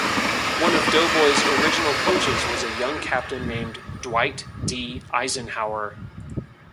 One of the Doughboys' original coaches was a young captain named Dwight D. Eisenhower.